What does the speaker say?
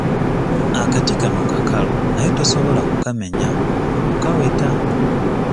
Akati kano kakalu naye tosobola kukamenya wadde okukaweta.